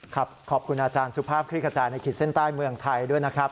ขอบคุณอาจารย์สุภาพคลิกกระจายในขีดเส้นใต้เมืองไทยด้วยนะครับ